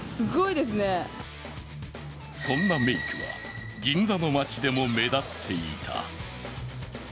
そんなメイクは、銀座の街でも目立っていた。